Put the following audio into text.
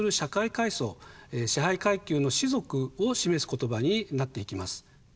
支配階級の士族を示す言葉になっていきます。